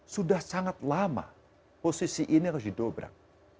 sudah sangat lama posisi ini harus didobrak